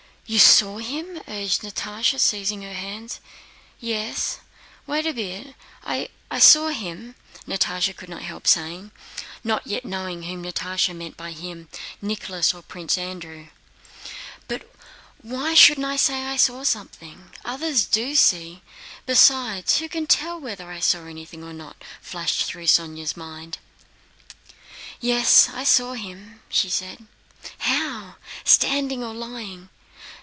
"You saw him?" urged Natásha, seizing her hand. "Yes. Wait a bit... I... saw him," Sónya could not help saying, not yet knowing whom Natásha meant by him, Nicholas or Prince Andrew. "But why shouldn't I say I saw something? Others do see! Besides who can tell whether I saw anything or not?" flashed through Sónya's mind. "Yes, I saw him," she said. "How? Standing or lying?"